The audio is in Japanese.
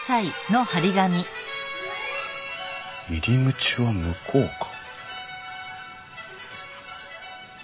入り口は向こうか。